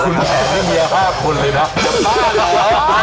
แผ่นพี่เมียภาพคุณเลยนะฟ่าเหรอ